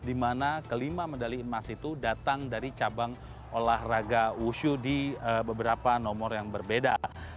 di mana kelima medali emas itu datang dari cabang olahraga wushu di beberapa nomor yang berbeda